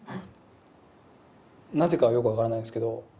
なぜかはよく分からないんですけど。